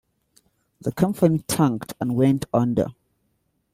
The company tanked and went under.